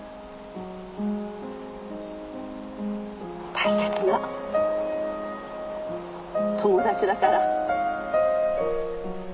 大切な友達だから。